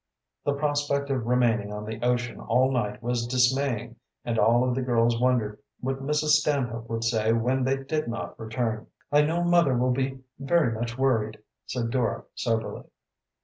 The prospect of remaining on the ocean all night was dismaying, and all of the girls wondered what Mrs. Stanhope would say when they did not return. "I know mother will be very much worried," said Dora soberly.